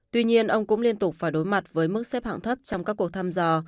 tuy nhiên ông cũng liên tục phải đối mặt với mức xếp hạng thấp trong các cuộc thăm dò